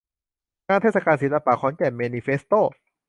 งานเทศกาลศิลปะ ขอนแก่นเมนิเฟสโต้